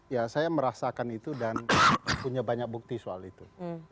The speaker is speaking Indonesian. ya saya merasakan itu dan punya banyak bukti soal itu